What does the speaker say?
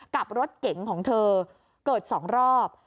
กับรถเก๋งของเธอเกิด๒รอบ